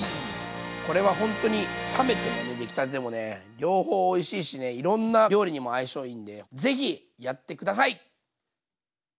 これはほんとに冷めても出来たてでも両方おいしいしねいろんな料理にも相性いいんで是非やって下さい！